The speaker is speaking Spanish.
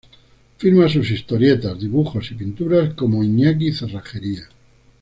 Firma sus historietas, dibujos y pinturas como Iñaki Cerrajería.